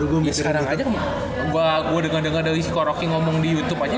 gua denger dengar dari si rocky ngomong di youtube aja